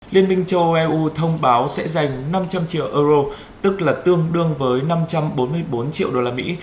liên minh châu âu eu thông báo sẽ dành năm trăm linh triệu euro tức là tương đương với năm trăm bốn mươi bốn triệu đô la mỹ